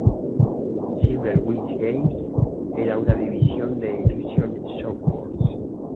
Silver Wish Games era una división de Illusion Softworks.